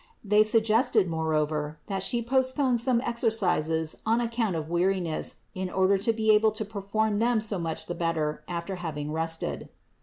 They suggested moreover that She postpone some exercises on account of weariness in order to be able to perform them so much the better after having rested.